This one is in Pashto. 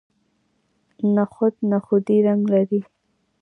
نخود نخودي رنګ لري.